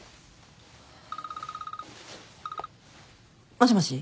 もしもし。